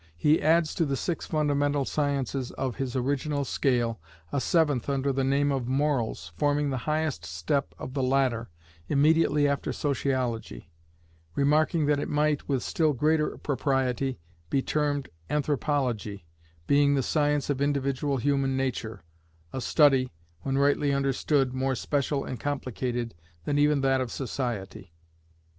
He adds to the six fundamental sciences of his original scale, a seventh under the name of Morals, forming the highest step of the ladder, immediately after Sociology: remarking that it might, with still greater propriety, be termed Anthropology, being the science of individual human nature, a study, when rightly understood, more special and complicated than even that of Society.